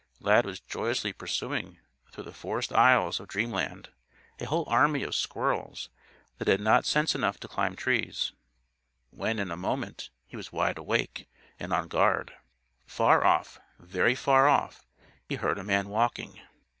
Lad was joyously pursuing, through the forest aisles of dreamland, a whole army of squirrels that had not sense enough to climb trees when in a moment, he was wide awake and on guard. Far off, very far off, he heard a man walking.